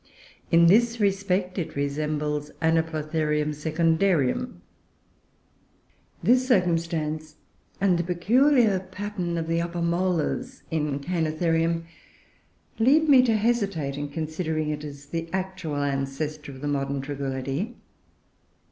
In this respect it resembles Anoplotherium secundarium. This circumstance, and the peculiar pattern of the upper molars in Cainotherium, lead me to hesitate in considering it as the actual ancestor of the modern Tragulidoe.